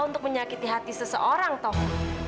untuk menyakiti hati seseorang toh